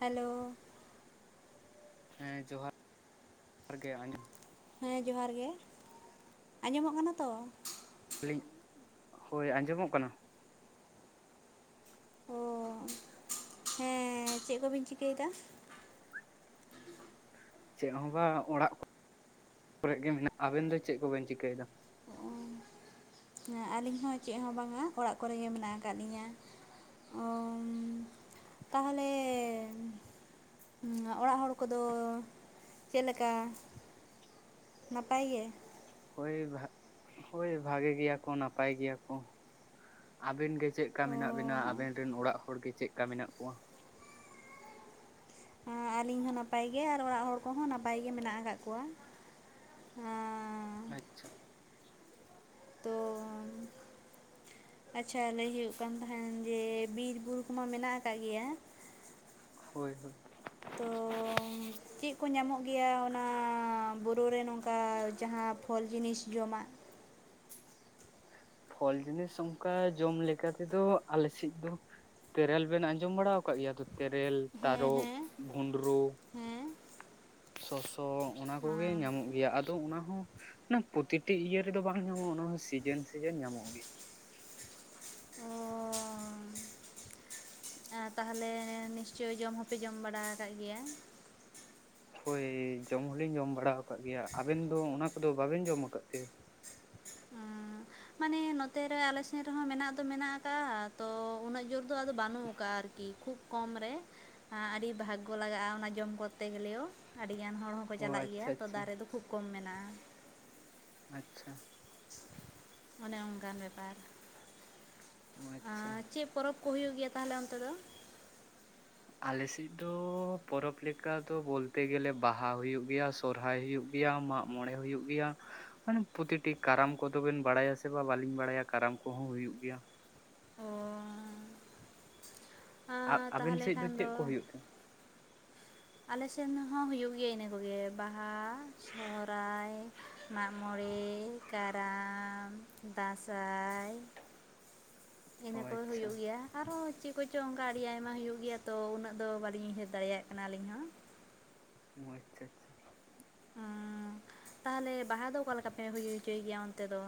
Hello ᱦᱮᱸ ᱡᱚᱦᱟᱨ ᱜᱮ ᱟᱸᱡᱚᱢ ᱦᱮᱸ ᱡᱚᱦᱟᱨ ᱜᱮ ᱟᱸᱡᱚᱢᱼᱚᱜ ᱠᱟᱱᱟ ᱛᱚ ᱟᱹᱞᱤᱧ ᱦᱳᱭ ᱟᱸᱡᱚᱢᱼᱚᱜ ᱠᱟᱱᱟ ᱚ ᱦᱮᱸ ᱪᱮᱫ ᱠᱚᱵᱤᱱ ᱪᱤᱠᱟᱹᱭ ᱮᱫᱟ ᱪᱮᱫ ᱦᱚᱸ ᱵᱟ ᱚᱲᱟᱜ ᱠᱚᱨᱮᱜ ᱜᱮ ᱢᱮᱱᱟᱜ ᱟᱵᱮᱱ ᱫᱚ ᱪᱮᱫ ᱠᱚᱵᱮᱱ ᱪᱤᱠᱟᱹᱭ ᱮᱫᱟ ᱚ ᱟᱹᱞᱤᱧ ᱦᱚᱸ ᱪᱮᱜ ᱦᱚᱸ ᱵᱟᱝᱟ ᱚᱲᱟᱜ ᱠᱚᱨᱮ ᱜᱮ ᱢᱮᱱᱟᱜ ᱟᱠᱟᱫ ᱞᱤᱧᱟ ᱚ ᱛᱟᱦᱚᱞᱮ ᱚᱲᱟᱜ ᱦᱚᱲ ᱠᱚᱫᱚ ᱪᱮᱫ ᱞᱮᱠᱟ ᱱᱟᱯᱟᱭ ᱜᱮ ᱦᱳᱭ ᱦᱳᱭ ᱵᱷᱟᱜᱮ ᱜᱮᱭᱟ ᱠᱚ ᱱᱟᱯᱟᱭ ᱜᱮᱭᱟ ᱠᱚ ᱟᱵᱤᱱ ᱜᱮ ᱪᱮᱜᱠᱟ ᱚ ᱢᱮᱱᱟᱜ ᱵᱤᱱᱟ ᱟᱵᱮᱱ ᱨᱮᱱ ᱚᱲᱟᱜ ᱦᱚᱲ ᱜᱮ ᱪᱮᱜᱠᱟ ᱢᱮᱱᱟᱜ ᱠᱚᱣᱟ ᱟᱹᱞᱤᱧ ᱦᱚᱸ ᱱᱟᱯᱟᱭ ᱜᱮ ᱟᱨ ᱚᱲᱟᱜ ᱦᱚᱲ ᱠᱚᱦᱚᱸ ᱱᱟᱯᱟᱭ ᱜᱮ ᱢᱮᱱᱟᱜ ᱟᱠᱟᱫ ᱠᱚᱣᱟ᱾ ᱦᱮᱸ᱾ ᱟᱪᱪᱷᱟ᱾ ᱛᱚ [inaudible] ᱟᱪᱪᱷᱟ ᱞᱟᱹᱭ ᱦᱩᱭᱩᱜ ᱠᱟᱱ ᱛᱟᱦᱮᱸᱱ ᱡᱮ ᱵᱤᱨ ᱵᱩᱨᱩ ᱠᱚᱢᱟ ᱢᱮᱱᱟᱜ ᱟᱠᱟᱫ ᱜᱮᱭᱟ᱾ ᱦᱳᱭ ᱦᱳᱭ᱾ ᱪᱤᱫ ᱠᱚ ᱧᱟᱢᱚᱜ ᱜᱮᱭᱟ ᱚᱱᱟ ᱵᱩᱨᱩ ᱨᱮ ᱱᱚᱝᱠᱟ ᱡᱟᱦᱟᱸ ᱯᱷᱚᱞ ᱡᱤᱱᱤᱥ ᱡᱚᱢᱟᱜ? ᱯᱷᱚᱞ ᱡᱤᱱᱤᱥ ᱚᱱᱠᱟ ᱡᱚᱢ ᱞᱮᱠᱟ ᱛᱮᱫᱚ ᱟᱞᱮᱥᱮᱫ ᱫᱚ ᱛᱮᱨᱮᱞ ᱵᱮᱱ ᱟᱸᱡᱚᱢ ᱵᱟᱲᱟᱣ ᱠᱟᱜ ᱜᱮᱭᱟ ᱛᱚ ᱛᱮᱨᱮᱞ ᱦᱮᱸ ᱛᱟᱨᱚᱠ ᱦᱮᱸ ᱵᱷᱩᱸᱰᱨᱩ? ᱦᱮᱸ ᱥᱚᱥᱚᱥᱚ ᱚᱱᱟ ᱠᱚᱜᱮ ᱧᱟᱢᱚᱜ ᱜᱮᱭᱟ ᱟᱫᱚ ᱚᱱᱟ ᱦᱚᱸ ᱚᱱᱟ ᱯᱨᱚᱛᱤᱴᱤ ᱤᱭᱟᱹ ᱨᱮᱫᱚ ᱵᱟᱝ ᱧᱟᱢᱚᱜᱼᱟ ᱚᱱᱟ ᱦᱚᱸ ᱥᱤᱡᱮᱱ ᱥᱤᱡᱮᱱ ᱧᱟᱢᱚᱜ ᱜᱮ᱾ [inaudible] ᱟ ᱛᱟᱦᱚᱞᱮ ᱱᱤᱥᱪᱳᱭ ᱡᱚᱢ ᱦᱚᱸᱯᱮ ᱡᱚᱢ ᱵᱟᱲᱟᱣ ᱠᱟᱜ ᱜᱮᱭᱟ᱾ ᱦᱳᱭ ᱡᱚᱢ ᱦᱚᱞᱤᱧ ᱡᱚᱢ ᱵᱟᱲᱟᱣ ᱠᱟᱜ ᱜᱮᱭᱟ ᱟᱵᱮᱱ ᱫᱚ ᱚᱱᱟ ᱠᱚᱫᱚ ᱵᱟᱵᱮᱱ ᱡᱚᱢ ᱟᱠᱟᱫ ᱛᱮ? [inaudible] ᱢᱟᱱᱮ ᱱᱚᱛᱮ ᱨᱮ ᱟᱞᱮ ᱥᱮᱱ ᱨᱮᱦᱚᱸ ᱢᱮᱱᱟᱜ ᱫᱚ ᱢᱮᱱᱟᱜ ᱟᱠᱟᱜᱼᱟ ᱛᱚ ᱩᱱᱟᱹᱜ ᱡᱳᱨ ᱫᱚ ᱟᱫᱚ ᱵᱟᱹᱱᱩᱜ ᱠᱟᱜᱼᱟ ᱟᱨᱠᱤ᱾ ᱠᱷᱩᱵ ᱠᱚᱢ ᱨᱮ ᱟᱹᱰᱤ ᱵᱷᱟᱜᱜᱚ ᱞᱟᱜᱟᱜᱼᱟ ᱚᱱᱟ ᱡᱚᱢ ᱠᱚᱨᱛᱮ ᱜᱮᱞᱮᱣ ᱟᱹᱰᱤᱜᱟᱱ ᱦᱚᱲ ᱦᱚᱸ ᱠᱚ ᱚ ᱪᱟᱞᱟᱜ ᱜᱮᱭᱟ ᱟᱪᱪᱷᱟ ᱛᱚ ᱟᱪᱪᱷᱟ ᱫᱟᱨᱮ ᱫᱚ ᱠᱷᱩᱵ ᱠᱚᱢ ᱢᱮᱱᱟᱜᱼᱟ᱾ ᱟᱪᱪᱷᱟ᱾ ᱚᱱᱮ ᱚᱱᱠᱟᱱ ᱵᱮᱯᱟᱨ, ᱚ ᱟᱪᱪᱷᱟ ᱟᱨ ᱪᱤᱫ ᱯᱚᱨᱚᱵ? ᱠᱩ ᱦᱩᱭᱩᱜ ᱜᱮᱭᱟ ᱛᱟᱦᱚᱞᱮ ᱚᱱᱛᱮ ᱫᱚ? ᱟᱞᱮᱥᱮᱫ ᱫᱚ ᱯᱚᱨᱚᱵ ᱞᱮᱠᱟ ᱫᱚ ᱵᱚᱞᱛᱮ ᱜᱮᱞᱮ ᱵᱟᱦᱟ ᱦᱩᱭᱩᱜ ᱜᱮᱭᱟ ᱥᱚ ᱥᱚᱨᱦᱟᱭ ᱦᱩᱭᱩᱜ ᱜᱮᱭᱟ ᱢᱟᱜ ᱢᱚᱬᱮ ᱦᱩᱭᱩᱜ ᱜᱮᱭᱟ ᱢᱟᱱᱮ ᱯᱚᱛᱤᱴᱤ ᱠᱟᱨᱟᱢ ᱠᱚᱫᱚ ᱵᱮᱱ ᱵᱟᱲᱟᱭᱟ ᱥᱮ ᱵᱟ ᱵᱟᱹᱞᱤᱧ ᱵᱟᱲᱟᱭᱟ ᱠᱟᱨᱟᱢ ᱠᱚᱦᱚᱸ ᱦᱩᱭᱩᱜ ᱜᱮᱭᱟ᱾ ᱚ᱾ ᱟ ᱟᱵᱮᱱ ᱥᱮᱫ ᱫᱚ ᱪᱮᱫ ᱠᱚ ᱦᱩᱭᱩᱜ ᱛᱷᱮᱱ? ᱟᱞᱮᱥᱮᱱ ᱦᱚᱸ ᱦᱩᱭᱩᱜ ᱜᱮᱭᱟ ᱤᱱᱟᱹ ᱠᱚᱜᱮ ᱵᱟᱦᱟ ᱥᱚᱦᱚᱨᱟᱭ ᱢᱟᱜ ᱢᱚᱬᱮ᱾ ᱠᱟᱨᱟᱢ ᱫᱟᱸᱥᱟᱭ᱾ ᱚ ᱤᱱᱟᱹ ᱠᱚ ᱟᱪᱪᱷᱟ ᱦᱩᱭᱩᱜ ᱜᱮᱭᱟ᱾ ᱟᱨᱦᱚ ᱪᱮᱫ ᱠᱚᱪᱚᱝ ᱚᱱᱠᱟ ᱟᱹᱰᱤ ᱟᱭᱢᱟ ᱦᱩᱭᱩᱜ ᱜᱮᱭᱟ ᱛᱚ ᱩᱱᱟᱹᱜ ᱫᱚ ᱵᱟᱹᱞᱤᱧ ᱩᱭᱦᱟᱹᱨ ᱫᱟᱲᱮᱭᱟᱜ ᱠᱟᱱᱟ ᱟᱹᱞᱤᱧ ᱦᱚᱸ᱾ ᱚ ᱟᱪᱪᱷᱟ ᱟᱪᱪᱷᱟ᱾ ᱩᱸᱜ, ᱛᱟᱦᱚᱞᱮ ᱵᱟᱦᱟ ᱫᱚ ᱚᱠᱟ ᱞᱮᱠᱟ ᱯᱮ ᱦᱩᱭ ᱦᱚᱪᱚᱭ ᱜᱮᱭᱟ ᱚᱱᱛᱮ ᱫᱚ?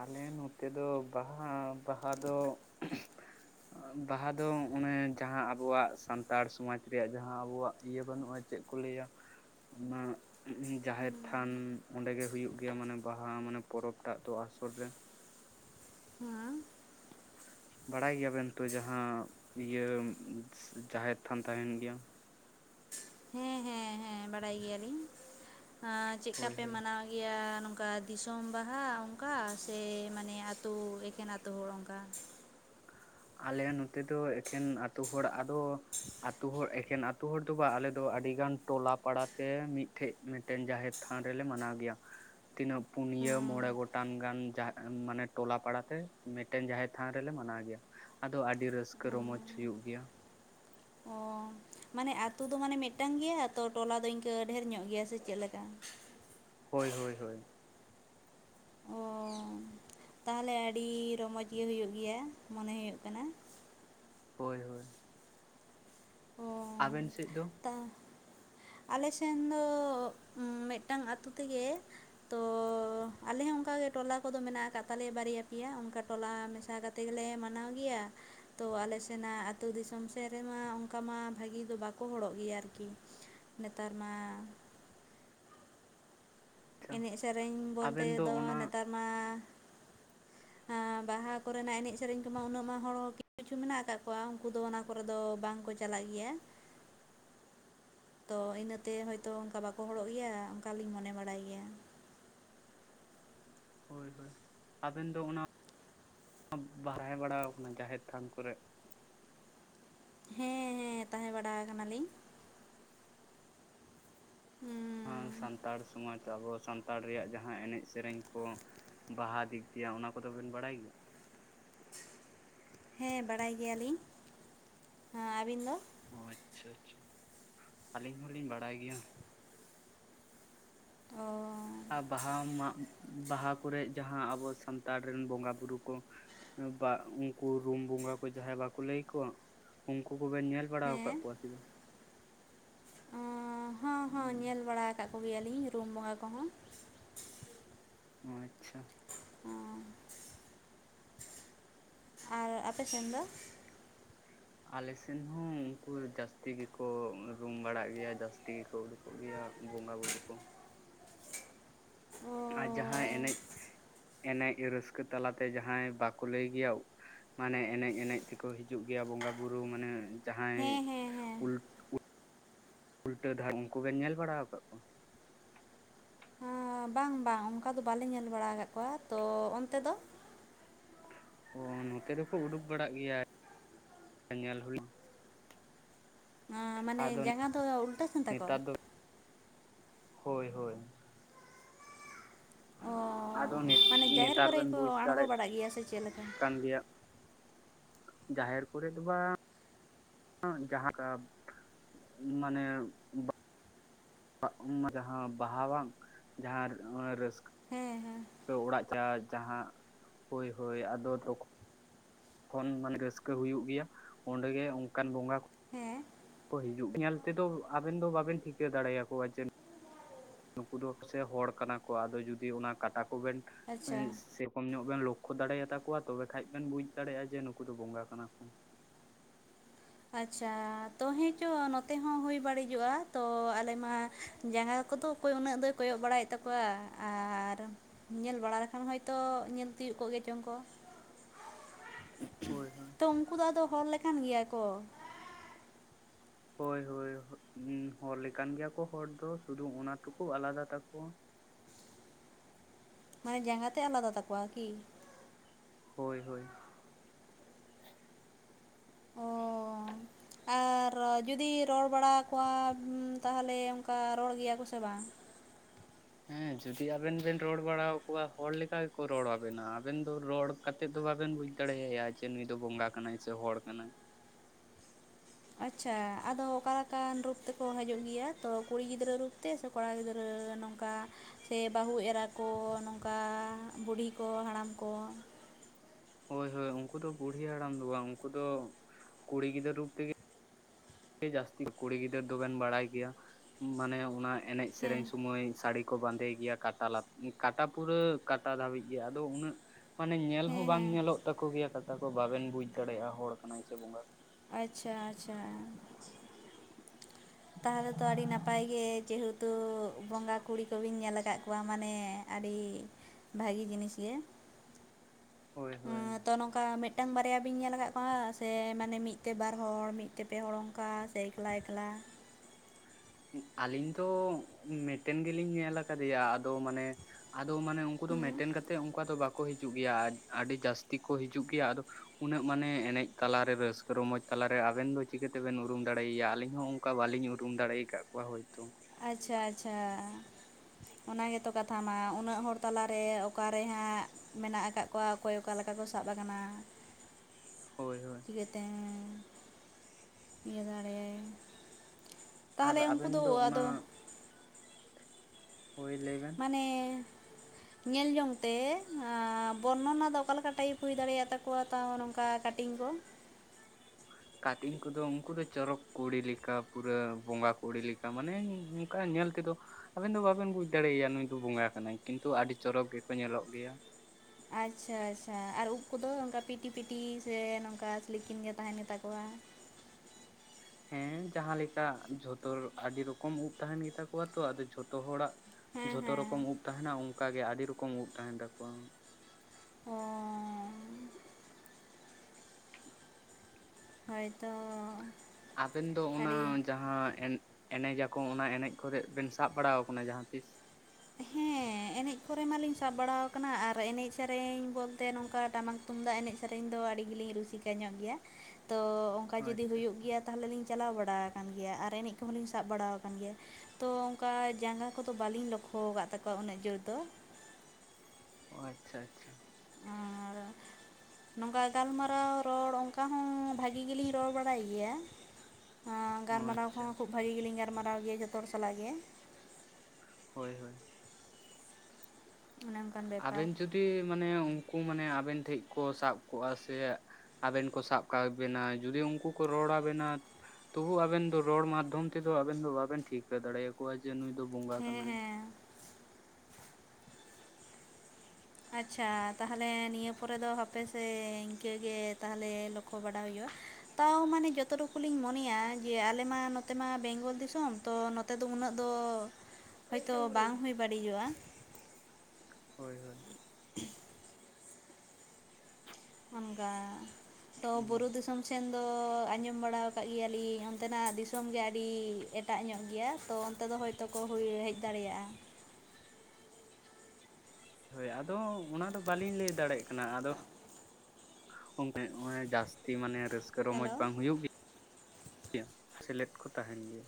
ᱟᱞᱮ ᱱᱚᱛᱮ ᱫᱚ ᱵᱟᱦᱟ ᱵᱟᱦᱟ ᱫᱚ ᱵᱟᱦᱟ ᱫᱚ ᱚᱱᱮ ᱡᱟᱦᱟᱸ ᱟᱵᱚᱣᱟᱜ ᱥᱟᱱᱛᱟᱲ ᱥᱚᱢᱟᱡᱽ ᱨᱮᱭᱟᱜ ᱡᱟᱦᱟᱸ ᱟᱵᱚᱣᱟᱜ ᱤᱭᱟᱹ ᱵᱟᱹᱱᱩᱜᱼᱟ ᱪᱮᱫ ᱠᱩ ᱞᱟᱹᱭᱟ ᱚᱱᱟ ᱡᱟᱦᱮᱨ ᱛᱷᱟᱱ ᱚᱸᱰᱮᱜᱮ ᱦᱩᱭᱩᱜ ᱜᱮᱭᱟ ᱢᱟᱱᱮ ᱵᱟᱦᱟ ᱢᱟᱱᱮ ᱯᱚᱨᱚᱵᱽ ᱴᱟᱜ ᱛᱚ ᱟᱥᱚᱞ ᱨᱮ᱾ ᱦᱮᱸ᱾ ᱵᱟᱲᱟᱭ ᱜᱮᱭᱟᱵᱮᱱ ᱛᱚ ᱡᱟᱦᱟᱸ ᱤᱭᱟᱹ ᱡᱟᱦᱮᱨ ᱛᱷᱟᱱ ᱛᱟᱦᱮᱱ ᱜᱮᱭᱟ᱾ ᱦᱮᱸ ᱦᱮᱸ ᱦᱮᱸ ᱵᱟᱲᱟᱭ ᱜᱮᱭᱟᱞᱤᱧ ᱟᱸ ᱪᱮᱫᱠᱟ ᱦᱳᱭ ᱯᱮ ᱦᱳᱭ ᱢᱟᱱᱟᱣ ᱜᱮᱭᱟ ᱱᱚᱝᱠᱟ ᱫᱤᱥᱚᱢ ᱵᱟᱦᱟ ᱚᱱᱠᱟ ᱥᱮ ᱢᱟᱱᱮ ᱟᱹᱛᱩ ᱮᱠᱮᱱ ᱟᱹᱛᱩ ᱦᱚᱲ ᱚᱱᱠᱟ? ᱟᱞᱮ ᱱᱚᱛᱮ ᱫᱚ ᱮᱠᱷᱮᱱ ᱟᱹᱛᱩ ᱦᱚᱲ ᱟᱫᱚ ᱟᱹᱛᱩ ᱦᱚᱲ ᱮᱠᱷᱮᱱ ᱟᱛ ᱟᱹᱛᱩ ᱦᱚᱲ ᱫᱚ ᱵᱟ ᱟᱞᱮᱫᱚ ᱟᱹᱰᱤ ᱜᱟᱱ ᱴᱚᱞᱟ ᱯᱟᱲᱟᱛᱮ ᱢᱤᱫᱴᱷᱮᱡ ᱢᱤᱫᱴᱮᱱ ᱡᱟᱦᱮᱨ ᱛᱷᱟᱱ ᱨᱮᱞᱮ ᱢᱟᱱᱟᱣ ᱜᱮᱭᱟ᱾ ᱛᱤᱱᱟᱹᱜ ᱯᱩᱱᱭᱟᱹ ᱦᱮᱸ ᱢᱚᱬᱮ ᱜᱚᱴᱟᱝ ᱜᱟᱱ ᱡᱟᱦ ᱢᱟᱱᱮ ᱴᱚᱞᱟ ᱯᱟᱲᱟ ᱛᱮ ᱢᱤᱫᱴᱮᱱ ᱡᱟᱦᱮᱨ ᱛᱷᱟᱱ ᱨᱮᱞᱮ ᱢᱟᱱᱟᱣ ᱜᱮᱭᱟ᱾ ᱟᱫᱚ ᱟᱹᱰᱤ ᱨᱟᱹᱥᱠᱟᱹ ᱨᱚᱢᱚᱪ ᱦᱩᱭᱩᱜ ᱜᱮᱭᱟ᱾ ᱚ ᱢᱟᱱᱮ ᱟᱛᱩ ᱫᱚ ᱢᱟᱱᱮ ᱢᱤᱫᱴᱟᱝ ᱜᱮᱭᱟ ᱛᱚ ᱴᱚᱞᱟ ᱫᱚ ᱤᱱᱠᱟᱹ ᱰᱷᱮᱨ ᱧᱚᱜ ᱜᱮᱭᱟ ᱥᱮ ᱪᱮᱫ ᱞᱮᱠᱟ? ᱦᱳᱭ ᱦᱳᱭ ᱦᱳᱭ᱾ ᱚ ᱛᱟᱦᱚᱞᱮ ᱟᱹᱰᱤ ᱨᱚᱢᱚᱡᱽ ᱜᱮ ᱦᱩᱭᱩᱜ ᱜᱮᱭᱟ ᱢᱚᱱᱮ ᱦᱩᱭᱩᱜ ᱠᱟᱱᱟ᱾ ᱦᱳᱭ᱾ ᱦᱳᱭ ᱚ᱾ ᱟᱵᱮᱱ ᱥᱮᱫ ᱫᱚ? ᱛᱟ ᱟᱞᱮ ᱥᱮᱱ ᱫᱚ ᱢᱤᱫᱴᱟᱝ ᱟᱛᱳ ᱛᱮᱜᱮ᱾ ᱛᱚ ᱟᱞᱮ ᱦᱚᱸ ᱚᱱᱠᱟᱟᱜᱮ ᱴᱚᱞᱟ ᱠᱚᱫᱚ ᱢᱮᱱᱟᱜ ᱟᱠᱟᱫ ᱛᱟᱞᱮᱭᱟ ᱵᱟᱨᱭᱟ ᱯᱮᱭᱟ ᱚᱱᱠᱟ ᱴᱚᱞᱟ ᱢᱮᱥᱟ ᱠᱟᱛ ᱛᱮᱜᱮᱞᱮ ᱢᱟᱱᱟᱣ ᱜᱮᱭᱟ᱾ ᱛᱚ ᱟᱞᱮ ᱥᱮᱱᱟᱜ ᱟᱹᱛᱩ ᱫᱤᱥᱚᱢ ᱥᱮᱫ ᱨᱮᱢᱟ ᱚᱱᱠᱟ ᱢᱟ ᱵᱷᱟᱹᱜᱤ ᱫᱚ ᱵᱟᱠᱚ ᱦᱚᱲᱚᱜ ᱜᱮᱭᱟ ᱟᱨᱠᱤ᱾ ᱱᱮᱛᱟᱨ ᱢᱟ ᱟᱪᱪᱷᱟ ᱮᱱᱮᱡ ᱥᱮᱨᱮᱧ ᱵᱚᱞᱛᱮ ᱟᱵᱮᱱ ᱫᱚ ᱚᱱᱟ ᱱᱮᱛᱟᱨ ᱢᱟ ᱵᱟᱦᱟ ᱠᱚᱨᱮᱱᱟᱜ ᱮᱱᱮᱡ ᱥᱮᱨᱮᱧ ᱠᱚᱢᱟ ᱩᱱᱟᱹᱜ ᱢᱟ ᱦᱚᱲ ᱦᱚᱸ ᱠᱚ ᱠᱤᱪᱷᱩ ᱢᱮᱱᱟᱜ ᱟᱠᱟᱫ ᱠᱚᱣᱟ ᱩᱱᱠᱩ ᱫᱚ ᱚᱱᱟ ᱠᱚᱨᱮ ᱫᱚ ᱵᱟᱝ ᱠᱚ᱾ ᱪᱟᱞᱟᱜ ᱜᱮᱭᱟ᱾ ᱛᱚ ᱤᱱᱟᱹᱛᱮ ᱦᱚᱭᱛᱚ ᱚᱱᱠᱟ ᱵᱟᱠᱚ ᱦᱚᱲᱚᱜ ᱜᱮᱭᱟ ᱚᱱᱠᱟᱞᱤᱧ ᱢᱚᱱᱮ ᱵᱟᱲᱟᱭ ᱜᱮᱭᱟ᱾ ᱦᱳᱭ ᱦᱳᱭ ᱟᱵᱮᱱ ᱫᱚ ᱚᱱᱟ [unintelligible] ᱵᱟᱲᱟ ᱟᱠᱟᱱᱟ ᱡᱟᱦᱮᱨ ᱛᱷᱟᱱ ᱠᱚᱨᱮ᱾ ᱦᱮᱸ ᱦᱮᱸ ᱛᱟᱦᱮᱸ ᱵᱟᱲᱟ ᱠᱟᱱᱟᱞᱤᱧ᱾ ᱦᱩ ᱥᱟᱱᱛᱟᱲ ᱥᱚᱢᱟᱡᱽ ᱟᱵᱚ ᱥᱟᱱᱛᱟᱲ ᱨᱮᱭᱟᱜ ᱡᱟᱦᱟᱸ ᱮᱱᱮᱡ ᱥᱮᱨᱮᱧ ᱠᱚ ᱵᱟᱦᱟ ᱫᱤᱠ ᱛᱮᱭᱟ ᱚᱱᱟ ᱠᱚᱫᱚᱵᱮᱱ ᱵᱟᱲᱟᱭ ᱜᱮᱭᱟ᱾ ᱦᱮᱸ ᱵᱟᱲᱟᱭ ᱜᱮᱭᱟᱞᱤᱧ ᱦᱮᱸ ᱟᱹᱵᱤᱱ ᱫᱚ ᱚ ᱟᱪᱪᱷᱟ ᱟᱪᱪᱷᱟ ᱟᱹᱞᱤᱧ ᱦᱚᱞᱤᱧ ᱵᱟᱲᱟᱭ ᱜᱮᱭᱟ᱾ ᱚ ᱟᱨ ᱵᱟᱦᱟ ᱢᱟᱜ ᱵᱟᱦᱟ ᱠᱚᱨᱮᱡ ᱡᱟᱦᱟᱸ ᱟᱵᱚ ᱥᱟᱱᱛᱟᱲ ᱨᱮᱱ ᱵᱚᱸᱜᱟ ᱵᱳᱨᱩ ᱠᱚ ᱩᱱᱠᱩ ᱨᱩᱢ ᱵᱚᱸᱜᱟ ᱠᱚ ᱡᱟᱦᱟᱸᱭ ᱵᱟᱠᱚ ᱞᱟᱹᱭ ᱟᱠᱚᱣᱟ ᱩᱱᱠᱩ ᱠᱚᱵᱮᱱ ᱧᱮᱞ ᱵᱟᱲᱟᱟᱣ ᱠᱟᱫ ᱦᱮᱸ ᱠᱚᱣᱟ ᱥᱮ ᱵᱟᱝ? ᱦᱚᱸ ᱦᱚᱸ ᱧᱮᱞ ᱵᱟᱲᱟ ᱟᱠᱟᱫ ᱠᱚᱜᱮᱭᱟᱞᱤᱧ ᱨᱩᱢ ᱵᱚᱸᱜᱟ ᱠᱚᱦᱚᱸ᱾ ᱚ ᱟᱪᱪᱷᱟ ᱟᱨ ᱟᱯᱮ ᱥᱮᱱ ᱫᱚ ᱟᱞᱮᱥᱱ ᱦᱚᱸ ᱩᱱᱠᱩ ᱡᱟᱹᱥᱛᱤ ᱜᱮᱠᱚ ᱨᱩᱢ ᱵᱟᱲᱟᱜ ᱜᱮᱭᱟ ᱡᱟᱹᱥᱛᱤ ᱜᱮᱠᱚ ᱩᱰᱩᱠᱚᱜ ᱜᱮᱭᱟ ᱵᱚᱸᱜᱟ ᱵᱩᱨᱩ ᱠᱚ ᱦ [unintelligible] ᱟᱨ ᱡᱟᱦᱟᱸᱭ ᱮᱱᱮᱡ ᱮᱱᱮᱡ ᱨᱟᱹᱥᱠᱟᱹ ᱛᱟᱞᱟᱛᱮ ᱡᱟᱦᱟᱸᱭ ᱵᱟᱠᱚ ᱞᱟᱹᱭ ᱜᱮᱭᱟ ᱢᱟᱱᱮ ᱮᱱᱮᱡ ᱮᱱᱮᱡ ᱛᱮᱠᱚ ᱦᱤᱡᱩᱜ ᱜᱮᱭᱟ ᱵᱚᱸᱜᱟ ᱵᱩᱨᱩ ᱢᱟᱱᱮ ᱡᱟᱦᱟᱸᱭ ᱦᱮᱸ ᱦᱮᱸ ᱦᱮᱸ [unintelligible] ᱩᱞᱴᱟᱹ ᱫᱷᱟᱨᱚᱣ ᱠᱚᱵᱱᱮ ᱧᱮᱞ ᱵᱟᱲᱟ ᱟᱠᱟᱫ ᱠᱚᱣᱟ? ᱵᱟᱝ ᱵᱟᱝ ᱚᱱᱠᱟ ᱫᱚ ᱵᱟᱞᱮ ᱧᱮᱞ ᱵᱟᱲᱟ ᱟᱠᱟᱫ ᱠᱚᱣᱟ ᱛᱚ ᱚᱱᱛᱮ ᱫᱚ? ᱚ ᱱᱚᱛᱮ ᱫᱚᱠᱚ ᱩᱰᱩᱠ ᱵᱟᱲᱟᱜ ᱜᱮᱭᱟ ᱧᱮᱞ ᱦᱩᱧ ᱢᱟᱱᱮ ᱟᱫᱚ ᱡᱟᱸᱜᱟ ᱫᱚ ᱩᱞᱴᱟᱹ ᱥᱮᱱ ᱛᱟᱠᱚ ᱱᱮᱛᱟᱨ ᱫᱚ ᱦᱳᱭ ᱦᱳᱭ ᱚ ᱟᱫᱚ ᱢᱟᱱᱮ ᱡᱟᱦᱮᱨ ᱱᱮᱛᱟᱨ ᱠᱚᱨᱮ ᱵᱮᱱ ᱠᱚ ᱵᱩᱡᱽ ᱟᱬᱜᱚ ᱫᱟᱲᱮᱭᱟᱜ ᱵᱟᱲᱟᱜ ᱜᱮᱭᱟ ᱥᱮ ᱪᱮᱫ ᱞᱮᱠᱟ ᱠᱟᱱ ᱜᱮᱭᱟ᱾ ᱡᱟᱦᱮᱨ ᱠᱚᱨᱮ ᱫᱚ ᱵᱟᱝ ᱡᱟᱦᱟᱸ ᱢᱟᱱᱮ [unintelligible] ᱡᱟᱦᱟᱸ ᱵᱟᱦᱟ ᱡᱟᱦᱟᱸ ᱨᱟᱹᱥᱠᱟᱹ ᱦᱮᱸ ᱦᱮᱸ ᱚᱲᱟᱜ [unintelligible] ᱡᱟ ᱡᱟᱦᱟᱸ ᱦᱳᱭ ᱦᱳᱭ ᱟᱫᱚ ᱛᱚᱠᱷᱚᱱ ᱾ ᱠᱷᱚᱱ ᱢᱟᱱᱮ ᱨᱟᱹᱥᱠᱟᱹ ᱦᱩᱭᱩᱜ ᱜᱮᱭᱟ ᱚᱸᱰᱮ ᱜᱮ ᱚᱱᱠᱟᱱ ᱵᱚᱸᱜᱟ ᱦᱮᱸ ᱦᱤᱡᱩᱜ ᱧᱮᱞ ᱛᱮᱫᱚ ᱟᱵᱮᱱ ᱫᱚ ᱵᱟᱵᱮᱱ ᱴᱷᱤᱠᱟᱹ ᱫᱟᱲᱮ ᱟᱠᱚᱣᱟ ᱡᱮ ᱱᱩᱠᱩ ᱫᱚ ᱥᱮ ᱦᱚᱲ ᱠᱟᱱᱟ ᱠᱚ ᱟᱫᱚ ᱡᱩᱫᱤ ᱚᱱᱟ ᱠᱟᱴᱟ ᱠᱚᱵᱮᱱ ᱟᱪᱪᱷᱟ ᱥᱮᱠᱚᱢ ᱧᱚᱜ ᱵᱮᱱ ᱞᱳ ᱞᱚᱠᱠᱷᱚ ᱫᱟᱲᱮᱭᱟ ᱛᱟᱠᱚᱣᱟ ᱛᱚᱵᱮ ᱠᱷᱟᱱ ᱵᱮᱱ ᱵᱩᱡᱽ ᱫᱟᱲᱮᱭᱟᱜᱼᱟ ᱡᱮ ᱱᱩᱠᱩ ᱫᱚ ᱵᱚᱸᱜᱟ ᱠᱟᱱᱟ ᱠᱚ᱾ ᱟᱪᱪᱷᱟ ᱛᱚ ᱦᱮᱸ ᱪᱚ ᱱᱚᱛᱮ ᱦᱚᱸ ᱦᱩᱭ ᱵᱟᱹᱲᱤᱡᱚᱜᱼᱟ ᱛᱚ ᱟᱞᱮ ᱢᱟ ᱡᱟᱸᱜᱟ ᱠᱚᱫᱚ ᱚᱠᱚᱭ ᱩᱱᱟᱹᱜ ᱫᱚᱭ ᱠᱚᱭᱚᱜ ᱵᱟᱲᱟᱭᱮᱫ ᱛᱟᱠᱚᱣᱟ ᱟᱨ ᱧᱮᱞ ᱵᱟᱲᱟ ᱞᱮᱠᱷᱟᱱ ᱦᱚᱭᱛᱳ ᱧᱮᱞ ᱛᱤᱭᱳᱜ ᱠᱚᱜᱮ ᱪᱚᱝ ᱠᱚ᱾ ᱦᱳᱭ ᱦᱳᱭ ᱛᱚ ᱩᱱᱠᱩ ᱫᱚ ᱟᱫᱚ ᱦᱚᱲ ᱞᱮᱠᱟᱱ ᱜᱮᱭᱟ ᱠᱚ? ᱦᱳᱭ ᱦᱳᱭ ᱦᱚᱲ ᱞᱮᱠᱟᱱ ᱜᱮᱭᱟ ᱠᱚ ᱦᱚᱲ ᱫᱚ ᱥᱩᱫᱷᱩ ᱚᱱᱟᱴᱩᱠᱩ ᱟᱞᱟᱫᱟ ᱛᱟᱠᱚ ᱢᱟᱱᱮ ᱡᱟᱸᱜᱟ ᱛᱮ ᱟᱞᱟᱫᱟ ᱛᱟᱠᱚᱣᱟ ᱠᱤ ᱦᱳᱭ ᱦᱳᱭ ᱚ ᱟᱨ ᱡᱩᱫᱤ ᱨᱚᱲ ᱵᱟᱲᱟ ᱠᱚᱣᱟ ᱛᱟᱦᱚᱞᱮ ᱚᱱᱠᱟ ᱨᱚᱲ ᱜᱮᱭᱟ ᱠᱚ ᱥᱮ ᱵᱟᱝ ᱦᱮᱸ ᱡᱩᱫᱤ ᱟᱵᱮᱱ ᱵᱮᱱ ᱨᱚᱲ ᱵᱟᱲᱟᱚᱭᱟ ᱦᱚᱲ ᱞᱮᱠᱟ ᱜᱮᱠᱚ ᱨᱚᱲ ᱟᱵᱮᱱᱟ ᱟᱵᱮᱱ ᱫᱚ ᱨᱚᱲ ᱠᱟᱛᱮᱫ ᱫᱚ ᱵᱟᱵᱮᱱ ᱵᱩᱡᱽ ᱫᱟᱲᱮᱭᱟᱭᱟ ᱡᱮ ᱱᱩᱭ ᱫᱚ ᱵᱚᱸᱜᱟ ᱠᱟᱱᱟᱭ ᱥᱮ ᱦᱚᱲ ᱠᱟᱱᱟᱭ ᱟᱪᱪᱷᱟ ᱟᱫᱚ ᱚᱠᱟ ᱞᱮᱠᱟᱱ ᱨᱩᱯ ᱛᱮᱠᱚ ᱦᱤᱡᱩᱜ ᱜᱮᱭᱟ ᱛᱚ ᱠᱩᱲᱤ ᱜᱤᱫᱽᱨᱟᱹ ᱨᱩᱯ ᱛᱮ ᱥᱮ ᱠᱚᱲᱟ ᱜᱤᱫᱽᱨᱟᱹ ᱱᱚᱝᱠᱟ ᱥᱮ ᱵᱟᱹᱦᱩ ᱮᱨᱟ ᱠᱚ ᱱᱚᱝᱠᱟ ᱵᱩᱰᱷᱤ ᱠᱚ ᱦᱟᱲᱟᱢ ᱠᱚ ᱦᱳᱭ ᱦᱳᱭ ᱩᱱᱠᱩ ᱫᱚ ᱵᱩᱲᱦᱤ ᱦᱟᱲᱟᱢ ᱫᱚ ᱵᱟᱝ ᱩᱱᱠᱩ ᱫᱚ ᱠᱩᱲᱤ ᱜᱤᱫᱽᱨᱟᱹᱨ ᱨᱩᱯ ᱛᱮᱜᱮ ᱡᱟᱹᱥᱛᱤ ᱠᱩᱲᱤ ᱜᱤᱫᱽᱹᱨᱟᱹ ᱫᱚᱵᱮᱱ ᱵᱟᱲᱟᱭ ᱜᱮᱭᱟ ᱢᱟᱱᱮ ᱚᱱᱟ ᱮᱱᱮᱡ ᱥᱮᱨᱮᱧ ᱦᱮᱸ ᱥᱚᱢᱚᱭ ᱥᱟᱹᱲᱤ ᱠᱚ ᱵᱟᱸᱫᱮ ᱜᱮᱭᱟ ᱠᱟᱴᱟ ᱞᱟ ᱠᱟᱴᱟ ᱯᱩᱨᱟᱹ ᱠᱟᱴᱟ ᱫᱷᱟᱹᱵᱤᱡ ᱜᱮᱭᱟ ᱟᱫᱚ ᱩᱱᱟᱹᱜ ᱢᱟᱱᱮ ᱧᱮᱞ ᱦᱚᱸ ᱦᱮᱸ ᱵᱟᱝ ᱦᱮᱸ ᱧᱮᱞᱚᱜ ᱛᱟᱠᱚ ᱜᱮᱭᱟ ᱟᱫᱚ ᱵᱟᱵᱮᱱ ᱵᱩᱡᱽ ᱫᱟᱲᱮᱭᱟᱜᱼᱟ ᱦᱚᱲ ᱠᱟᱱᱟᱭ ᱥᱮ ᱵᱚᱸᱜᱟ ᱠᱟᱱᱟᱭ ᱟᱪᱪᱷᱟ ᱟᱪᱪᱷᱟ ᱛᱟᱦᱚᱞᱮ ᱛᱚ ᱟᱹᱰᱤ ᱱᱟᱯᱟᱭ ᱜᱮ ᱡᱮᱦᱮᱛᱩ ᱵᱚᱸᱜᱟ ᱠᱩᱲᱤ ᱠᱚᱵᱤᱱ ᱧᱮᱞ ᱟᱠᱟᱫ ᱠᱚᱣᱟ ᱢᱟᱱᱮ ᱟᱹᱰᱤ ᱵᱷᱟᱹᱜᱤ ᱡᱤᱱᱤᱥ ᱜᱮ ᱦᱳᱭ ᱦᱳᱭ ᱩᱸ, ᱛᱚ ᱱᱚᱝᱠᱟ ᱢᱤᱫᱴᱟᱝ ᱵᱟᱨᱭᱟ ᱵᱤᱱ ᱧᱮᱞ ᱟᱠᱟᱫ ᱠᱚᱣᱟ ᱥᱮ ᱢᱟᱱᱮ ᱢᱤᱫ ᱛᱮ ᱵᱟᱨ ᱦᱚᱲ ᱢᱤᱫ ᱛᱮ ᱯᱮ ᱦᱚᱲ ᱚᱱᱠᱟ ᱥᱮ ᱮᱠᱞᱟ ᱮᱠᱞᱟ ᱟᱞᱤᱧ ᱫᱚ ᱢᱤᱫᱴᱮᱱ ᱜᱮᱞᱤᱧ ᱧᱮᱞ ᱟᱠᱟᱫᱮᱭᱟ ᱟᱫᱚ ᱢᱟᱱᱮ ᱟᱫᱚ ᱢᱟᱱᱮ ᱩᱱᱠᱩ ᱫᱚ ᱦᱮᱸ ᱢᱮᱱᱴᱮᱱ ᱠᱟᱛᱮᱫ ᱩᱱᱚᱱᱠᱟ ᱫᱚ ᱵᱟᱠᱚ ᱦᱤᱡᱩᱜ ᱜᱮᱭᱟ ᱟᱹᱰᱤ ᱡᱟᱹᱥᱛᱤ ᱠᱚ ᱦᱤᱡᱩᱜ ᱜᱮᱭᱟ ᱟᱫᱚ ᱩᱱᱟᱹᱜ ᱢᱟᱱᱮ ᱮᱱᱮᱡ ᱛᱟᱞᱟᱨᱮ ᱨᱟᱹᱥᱠᱟᱹ ᱨᱚᱢᱚᱡᱽ ᱛᱟᱞᱟᱨᱮ ᱟᱵᱮᱱ ᱫᱚ ᱪᱤᱠᱟᱹᱛᱮᱵᱮᱱ ᱩᱨᱩᱢ ᱫᱟᱲᱮᱭᱟᱭᱭᱟ ᱟᱞᱤᱧ ᱦᱚᱸ ᱚᱱᱠᱟ ᱵᱟᱞᱤᱧ ᱩᱨᱩᱢ ᱫᱟᱲᱮ ᱟᱠᱟᱫ ᱠᱚᱣᱟ ᱦᱳᱭᱛᱚ ᱟᱪᱷᱟ ᱟᱪᱷᱟ ᱚᱱᱟ ᱜᱮᱛᱚ ᱠᱟᱛᱷᱟ ᱢᱟ ᱩᱱᱟᱹᱜ ᱦᱚᱲ ᱛᱟᱞᱟᱨᱮ ᱚᱠᱟᱨᱮ ᱦᱟᱸᱜ ᱢᱮᱱᱟᱜ ᱟᱠᱟᱫ ᱠᱚᱣᱟ ᱚᱠᱚᱭ ᱚᱠᱟ ᱞᱮᱠᱟ ᱠᱚ ᱥᱟᱵ ᱟᱠᱟᱱᱟ ᱦᱳᱭ ᱦᱳᱭ ᱜ ᱛᱮ ᱤᱭᱟᱹ ᱫᱟᱲᱮᱭᱟᱭ ᱟᱨ ᱛᱟᱦᱚᱞᱮ ᱩᱱᱠᱩ ᱟᱵᱮᱱ ᱫᱚ ᱚᱱᱟ ᱟᱫᱚ ᱦᱳᱭ ᱞᱟᱹᱭᱵᱮᱱ ᱢᱟᱱᱮ ᱧᱮᱞ ᱡᱚᱝ ᱛᱮ ᱵᱚᱨᱱᱚᱱᱟ ᱫᱚ ᱚᱠᱟ ᱞᱮᱠᱟ ᱴᱟᱭᱤᱵ ᱦᱩᱭ ᱫᱟᱲᱮᱭᱟᱜ ᱛᱟᱠᱚᱣᱟ ᱛᱟᱣ ᱱᱚᱱᱝᱠᱟᱴᱤᱡ ᱤᱧᱜᱚ ᱠᱟᱴ ᱤᱧ ᱠᱚᱫᱚ ᱩᱱᱠᱩ ᱫᱚ ᱪᱚᱨᱚᱠ ᱠᱩᱲᱤ ᱞᱮᱠᱟ ᱯᱩᱨᱟᱹ ᱵᱚᱸᱜᱟ ᱠᱩᱲᱤ ᱞᱮᱠᱟ ᱢᱟᱱᱮ ᱚᱱᱠᱟ ᱧᱮᱞ ᱛᱮᱫᱚ ᱟᱵᱮᱱ ᱫᱚ ᱵᱟᱵᱮᱱ ᱵᱩᱡᱽ ᱫᱟᱲᱮᱭᱟᱭᱟ ᱱᱩᱭ ᱫᱚ ᱵᱚᱸᱜᱟ ᱠᱟᱱᱟᱭ ᱠᱤᱱᱛᱩ ᱟᱹᱰᱤ ᱪᱚᱨᱚᱠ ᱜᱮᱠᱚ ᱧᱮᱞᱚᱜ ᱜᱮᱭᱟ ᱟᱪᱷᱟ ᱟᱪᱷᱟ ᱟᱨ ᱩᱵ ᱠᱚᱫᱚ ᱝᱠᱟ ᱯᱤᱴᱤ ᱯᱤᱴᱤ ᱥᱮ ᱱᱚᱝᱠᱟ ᱥᱤᱞᱤᱠᱤᱱ ᱜᱮ ᱛᱟᱦᱮᱱ ᱜᱮᱛᱟ ᱠᱚᱣᱟ ᱦᱮᱸ ᱡᱟᱦᱟᱸᱮ ᱞᱮᱠᱟ ᱡᱷᱚᱛᱚ ᱟᱹᱰᱤ ᱨᱚᱠᱚᱢ ᱩᱵ ᱛᱟᱦᱮᱱ ᱜᱮᱛᱟ ᱠᱚᱣᱟ ᱛᱚ ᱟᱫᱚ ᱡᱷᱚᱛᱚ ᱦᱚᱲᱟᱜ ᱦᱮᱸ ᱡᱷᱚᱛᱚ ᱦᱮᱸ ᱨᱚᱠᱚᱢ ᱩᱵ ᱛᱟᱦᱮᱱᱟ ᱚᱱᱠᱟ ᱜᱮ ᱟᱹᱰᱤ ᱨᱚᱠᱚᱢ ᱩᱵ ᱛᱟᱦᱮᱱ ᱛᱟᱠᱚᱣᱟ ᱟᱨ [inaudible] ᱦᱳᱭᱛᱚ ᱟᱵᱮᱱ ᱫᱚ ᱚᱱᱟ ᱡᱟᱦᱟᱸ ᱮᱱ ᱮᱱᱮᱡ ᱟᱠᱚ ᱚᱱᱟ ᱮᱱᱮᱡ ᱠᱚᱨᱮ ᱵᱮᱱ ᱥᱟᱵ ᱵᱟᱲᱟ ᱟᱠᱟᱱᱟ ᱡᱟᱦᱟᱸ ᱛᱤᱥ [inaudible] ᱦᱮᱸ ᱮᱱᱮᱡ ᱠᱚᱨᱮ ᱢᱟᱞᱤᱧ ᱥᱟᱵ ᱵᱟᱲᱟ ᱟᱠᱟᱱᱟ ᱟᱨ ᱮᱱᱮᱡ ᱥᱮᱨᱮᱧ ᱵᱚᱞᱛᱮ ᱱᱚᱝᱠᱟ ᱴᱟᱢᱟᱠ ᱛᱩᱢᱫᱟᱜ ᱮᱱᱮᱡ ᱥᱮᱨᱮᱧ ᱫᱚ ᱟᱹᱰᱤ ᱜᱮᱞᱤᱧ ᱨᱩᱥᱤᱠᱟ ᱧᱚᱜ ᱜᱮᱭᱟ ᱛᱚ ᱚᱱᱠᱟ ᱚ ᱡᱩᱫᱤ ᱟᱪᱪᱷᱟ ᱦᱩᱭᱩᱜ ᱟᱪᱪᱷᱟ ᱜᱮᱭᱟ ᱛᱟᱦᱚᱞᱮ ᱞᱤᱧ ᱪᱟᱞᱟᱣ ᱵᱟᱲᱟ ᱟᱠᱟᱱ ᱜᱮᱭᱟ ᱟᱨ ᱮᱱᱮᱡ ᱠᱚᱦᱚᱸ ᱞᱤᱧ ᱥᱟᱵ ᱵᱟᱲᱟ ᱟᱠᱟᱱ ᱜᱮᱭᱟ ᱛᱚ ᱚᱱᱠᱟ ᱡᱟᱸᱜᱟ ᱠᱚᱫᱚ ᱵᱟᱹᱞᱤᱧ ᱞᱚᱠᱠᱷᱚ ᱟᱠᱟᱫ ᱛᱟᱠᱚᱣᱟ ᱩᱱᱟᱹᱜ ᱡᱳᱨ ᱫᱚ ᱚ ᱟᱪᱪᱷᱟ ᱟᱪᱪᱷᱟ ᱟᱨ ᱱᱚᱝᱠᱟ ᱜᱟᱞᱢᱟᱨᱟᱣ ᱨᱚᱲ ᱚᱱᱠᱟ ᱦᱚᱸ ᱵᱷᱟᱜᱤ ᱜᱮᱞᱤᱧ ᱨᱚᱲ ᱵᱟᱲᱟᱭ ᱜᱮᱭᱟ [inaudible] ᱚ ᱜᱟᱞᱢᱟᱨᱟᱣ ᱟᱪᱪᱷᱟ ᱠᱚᱦᱚᱸ ᱠᱷᱩᱵ ᱵᱷᱟᱹᱜᱤ ᱜᱮᱞᱤᱧ ᱜᱟᱞᱢᱟᱨᱟᱣ ᱜᱮᱭᱟ ᱡᱷᱚᱛᱚ ᱦᱚᱲ ᱥᱟᱞᱟᱜ ᱜᱮ ᱦᱳᱭ ᱦᱳᱭ ᱚᱱᱟ ᱟᱵᱮᱱ ᱡᱩᱫᱤ ᱢᱟᱱᱮ ᱩᱱᱠᱩ ᱢᱟᱱᱮ ᱟᱵᱮᱱ ᱴᱷᱮᱱ ᱠᱚ ᱥᱟᱵ ᱠᱚᱜᱼᱟ ᱥᱮ ᱟᱵᱮᱱ ᱠᱚ ᱥᱟᱵ ᱠᱟᱜ ᱵᱮᱤᱱᱟ ᱡᱩᱫᱤ ᱩᱱᱠᱩ ᱠᱚ ᱨᱚᱲ ᱟᱵᱮᱱᱟ ᱛᱚᱵᱩ ᱟᱵᱮᱱ ᱫᱚ ᱨᱚᱲ ᱢᱟᱫᱽᱫᱷᱚᱢ ᱛᱮᱫᱚ ᱟᱵᱮᱱ ᱫᱚ ᱵᱟᱵᱮᱱ ᱴᱷᱤᱠᱟᱹ ᱫᱟᱲᱮ ᱟᱠᱚᱣᱟ ᱡᱮ ᱱᱩᱭ ᱫᱚ ᱵᱚᱸᱜᱟ ᱦᱮᱸ ᱠᱟᱱᱟᱭ ᱦᱮᱸ ᱟᱪᱷᱟ ᱛᱟᱦᱚᱞᱮ ᱱᱤᱭᱟᱹ ᱯᱚᱨᱮ ᱫᱚ ᱦᱟᱯᱮᱥᱮ ᱤᱱᱠᱟᱹᱜᱮ ᱛᱟᱦᱚᱞᱮ ᱞᱚᱠᱷᱚ ᱵᱟᱲᱟ ᱦᱩᱭᱩᱜᱼᱟ ᱛᱟᱣ ᱢᱟᱱᱮ ᱡᱚᱛᱚ ᱨᱚᱠᱚ ᱞᱤᱧ ᱢᱚᱱᱮᱭᱟ ᱡᱮ ᱟᱞᱮ ᱢᱟ ᱱᱚᱛᱮ ᱢᱟ ᱵᱮᱝᱜᱚᱞ ᱫᱤᱥᱚᱢ ᱛᱚ ᱱᱮᱛᱮ ᱫᱚ ᱩᱱᱟᱹᱜ ᱫᱚ ᱦᱳᱭᱛᱚ ᱵᱟᱝ ᱦᱩᱭ ᱵᱟᱹᱲᱤᱡᱚᱜᱼᱟ ᱦᱳᱭ ᱦᱳᱭ ᱦᱮᱸ ᱚᱱᱠᱟ ᱛᱚ ᱵᱩᱨᱩ ᱦᱳᱭ ᱫᱤᱥᱚᱢ ᱥᱮᱮᱱ ᱫᱚ ᱟᱸᱡᱚᱢ ᱵᱟᱲᱟ ᱟᱠᱟᱫ ᱜᱮᱭᱟᱞᱤᱧ ᱚᱱᱛᱮᱱᱟᱜ ᱫᱤᱥᱚᱢ ᱜᱮ ᱟᱹᱰᱤ ᱮᱴ ᱦᱟᱴᱟᱜ ᱧᱚᱜ ᱜᱮᱭᱟ ᱛᱚ ᱚᱱᱛᱮ ᱫᱚ ᱦᱳᱭᱛᱚ ᱠᱚ ᱦᱩᱭ ᱦᱮᱡ ᱫᱟᱲᱮᱭᱟᱜᱼᱟ ᱦᱳᱭ ᱟᱫᱚ ᱚᱱᱟᱫᱚ ᱵᱟᱟᱹᱞᱤᱧ ᱞᱟᱹᱭ ᱫᱟᱲᱮᱭᱟᱜ ᱠᱟᱱᱟ ᱟᱫᱚ ᱡᱟᱹᱥᱛᱤ ᱢᱟᱱᱮ ᱨᱟᱹᱥᱠᱟᱹ ᱟᱹᱥ ᱨᱚᱢᱚᱡᱽ ᱦᱮᱞᱳ ᱵᱟᱝ ᱦᱩᱭᱩᱜ ᱜᱮᱭᱟ ᱥᱮᱞᱮᱫ ᱠᱚ ᱛᱟᱦᱮᱱ ᱜᱮᱭᱟ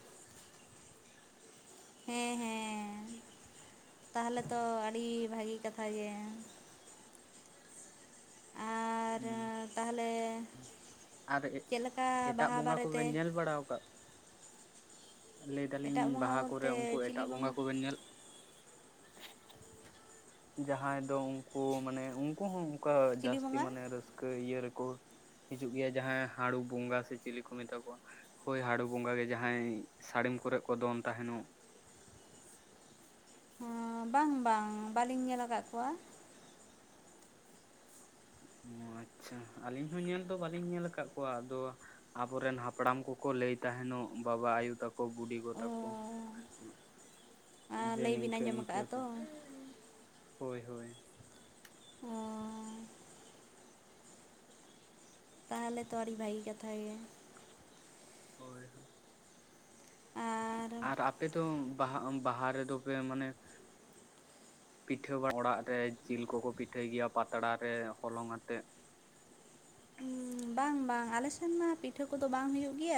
ᱦᱮᱸ ᱦᱮᱸ ᱛᱟᱦᱚᱞᱮ ᱛᱚ ᱟᱹᱰᱤ ᱵᱷᱟᱹᱜᱮ ᱠᱟᱛᱷᱟ ᱜᱮ ᱟᱨ ᱛᱟᱦᱚᱞᱮ ᱪᱮᱫ ᱞᱮᱠᱟ ᱵᱟᱦᱟ ᱵᱟᱨᱮ ᱛᱮ ᱵᱲᱟ ᱠᱟ ᱞᱟᱹᱭᱫᱟᱞᱤᱧ ᱮᱴᱟᱜ ᱵᱚᱸᱜᱟ ᱵᱟᱦᱟ ᱠᱚ ᱨᱮ ᱵᱚᱞᱛᱮ ᱩᱱᱠᱩ ᱪᱤᱞᱤ ᱮᱴᱟᱜ ᱵᱚᱸᱜᱟ ᱠᱚᱵᱮᱱ ᱧᱮᱞ ᱡᱟᱦᱟᱸᱭ ᱫᱚ ᱩᱱᱠᱩ ᱢᱟᱱᱮ ᱩᱱᱠᱩ ᱦᱚᱸ ᱚᱱᱠᱟ ᱪᱤᱞᱤ ᱡᱟᱹᱥᱛᱤ ᱵᱚᱸᱜᱟ ᱢᱟᱱᱮ ᱨᱟᱹᱥᱠᱟᱹ ᱤᱭᱟᱹ ᱨᱮ ᱠᱚ ᱦᱤᱡᱩᱜ ᱜᱮᱭᱟ ᱡᱟᱦᱟᱸᱭ ᱦᱟᱸᱲᱩ ᱵᱚᱸᱜᱟ ᱥᱮ ᱪᱤᱞᱤ ᱠᱚ ᱢᱮᱛᱟ ᱠᱚᱣᱟ ᱦᱳᱭ ᱦᱟᱸᱲᱩ ᱵᱚᱸᱜᱟ ᱜᱮ ᱡᱟᱦᱟᱸᱭ ᱥᱟᱹᱲᱤᱢ ᱠᱚᱨᱮ ᱠᱚ ᱫᱚᱱ ᱛᱟᱦᱮᱸᱱᱚᱜ ᱵᱟᱝ ᱵᱟᱝ ᱵᱟᱹᱞᱤᱧ ᱧᱮᱞ ᱟᱠᱟᱫ ᱠᱚᱣᱟ ᱚ ᱟᱪᱪᱷᱟ ᱟᱹᱞᱤᱧ ᱦᱚᱸ ᱧᱮᱞ ᱫᱚ ᱵᱟᱹᱞᱤᱧ ᱧᱮᱞ ᱟᱠᱟᱫ ᱠᱚᱣᱟ ᱟᱫᱚ ᱟᱵᱚᱨᱮᱱ ᱦᱟᱯᱲᱟᱢ ᱠᱚ ᱠᱚ ᱞᱟᱹᱭ ᱛᱟᱦᱮᱸᱱᱚᱜ ᱵᱟᱵᱟ ᱟᱭᱳ ᱛᱟᱠᱚ ᱟᱠ ᱵᱩᱰᱤ ᱜᱚ ᱚ ᱛᱟᱠᱚ ᱡᱮ ᱞᱟᱹᱭ ᱵᱤᱱ ᱱᱤᱝᱠᱟᱹ ᱟᱸᱡᱚᱢ ᱤᱱᱠᱟᱹ ᱟᱠᱟᱫᱼᱟ ᱛᱚ ᱦᱳᱭ ᱦᱳᱭ ᱚ ᱛᱟᱦᱚᱞᱮ ᱛᱚ ᱟᱹᱰᱤ ᱵᱷᱟᱹᱜᱤ ᱠᱟᱛᱷᱟ ᱜᱮ ᱦᱳᱭ ᱦᱳᱭ ᱟᱨ ᱟᱨ ᱟᱯᱮ ᱫᱚ ᱵᱟᱦᱟ ᱨᱮ ᱫᱚ ᱯᱮ ᱢᱟᱱᱮ ᱯᱤᱴᱷᱟᱹ ᱵᱟᱲᱟ ᱚᱲᱟᱜ ᱨᱮ ᱡᱤᱞ ᱠᱚ ᱠᱚ ᱯᱤᱴᱷᱟᱹᱭ ᱜᱮᱭᱟ ᱯᱟᱛᱲᱟ ᱨᱮ ᱦᱚᱞᱚᱝ ᱟᱛᱮᱫ ᱵᱟᱝ ᱵᱟᱝ ᱟᱞᱮ ᱥᱮᱱ ᱢᱟ ᱯᱤᱴᱷᱟᱹ ᱠᱚ ᱫᱚ ᱵᱟᱝ ᱦᱩᱭᱩᱜ ᱜᱮᱭᱟ